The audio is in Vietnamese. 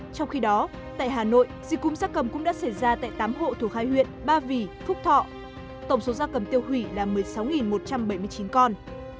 trong khi đó tại hà nội dịch cúm gia cầm cũng đã xảy ra tại tám hộ thuộc hai huyện ba vì phúc thọ tổng số gia cầm tiêu hủy là một mươi sáu một trăm bảy mươi chín con